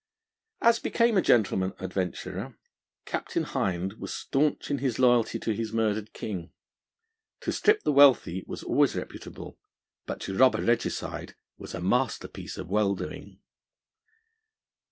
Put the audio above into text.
As became a gentleman adventurer, Captain Hind was staunch in his loyalty to his murdered King. To strip the wealthy was always reputable, but to rob a Regicide was a masterpiece of well doing.